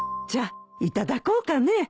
じゃあいただこうかね。